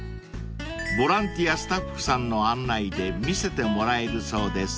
［ボランティアスタッフさんの案内で見せてもらえるそうです］